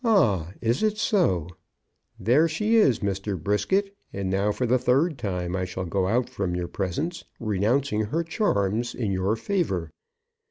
"Ah! Is it so? There she is, Mr. Brisket; and now, for the third time, I shall go out from your presence, renouncing her charms in your favour.